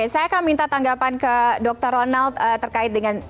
saya akan minta tanggapan ke dr ronald terkait dengan